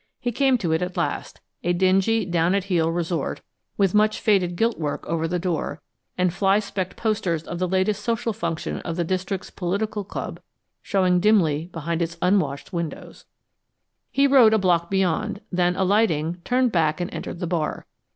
He came to it at last a dingy, down at heel resort, with much faded gilt work over the door, and fly specked posters of the latest social function of the district's political club showing dimly behind its unwashed windows. He rode a block beyond then, alighting, turned back and entered the bar.